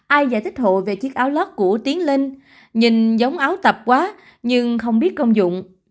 ai giải thích hộ về chiếc áo lót của tiến linh nhìn giống áo tập quá nhưng không biết công dụng